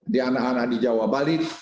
di anak anak di jawa bali